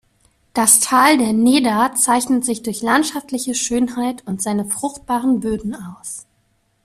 Das Tal der Neda zeichnet sich durch landschaftliche Schönheit und seine fruchtbaren Böden aus.